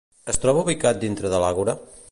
Es troba ubicat dintre de l'Àgora?